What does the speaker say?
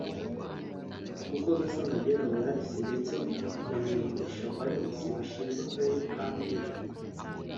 kuko Gasamagera Wellars ndetse na Munyabagisha Valens bashinzwe akarere ka Maine